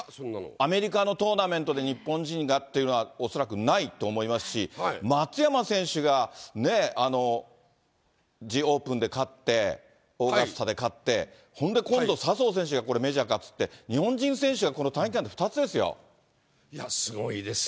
アメリカのトーナメントで日本人がっていうのは恐らくないと思いますし、松山選手がね、オープンで勝って、オーガスタで勝って、そんで今度笹生選手がメジャー勝つって、日本人選手がこの短期間で２つですよ。